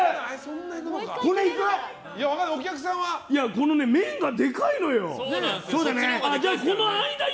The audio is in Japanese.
この面がでかいのよ。